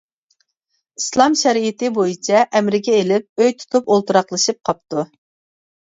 ئىسلام شەرىئىتى بويىچە ئەمرىگە ئېلىپ ئۆي تۇتۇپ ئولتۇراقلىشىپ قاپتۇ.